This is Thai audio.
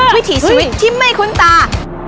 วิถีชีวิตที่ไม่คุ้นตา